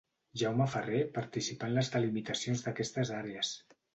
Jaume Ferrer participà en les delimitacions d'aquestes àrees.